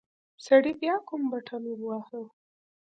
سړي بيا کوم بټن وواهه.